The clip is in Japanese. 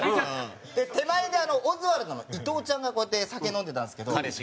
手前でオズワルドの伊藤ちゃんがこうやって酒飲んでたんですけど。